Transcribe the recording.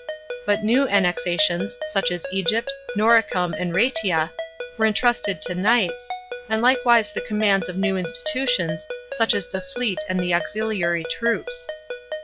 But new annexations, such as Egypt, Noricum, and BaBtia, were entrusted to knights, and likewise the commands of new institutions, such as the fleet and the auxiliary troops.